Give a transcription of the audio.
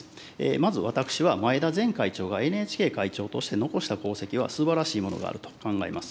まず私は、前田前会長はＮＨＫ会長として残した功績は、すばらしいものがあると考えます。